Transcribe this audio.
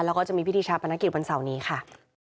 แล้วก็จะมีพิธีชาปนกิจวันเสาร์นี้ค่ะ